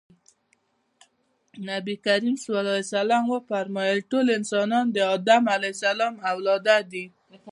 نبي کريم ص وفرمايل ټول انسانان د ادم اولاده دي.